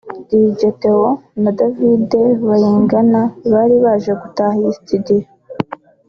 Dj Theo na David Bayingana bari baje gutaha iyi studio